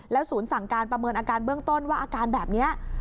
ศูนย์สั่งการประเมินอาการเบื้องต้นว่าอาการแบบนี้